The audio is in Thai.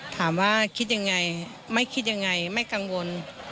ถามว่าคิดยังไงไม่คิดยังไงไม่กังวล